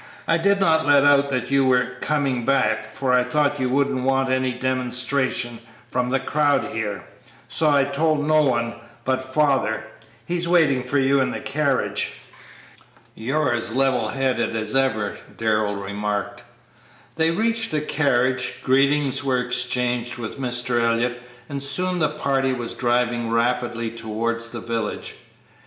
I did not let out that you were coming back, for I thought you wouldn't want any demonstration from the crowd here, so I told no one but father; he's waiting for you in the carriage." "You're as level headed as ever," Darrell remarked. They reached the carriage, greetings were exchanged with Mr. Elliott, and soon the party was driving rapidly towards the village.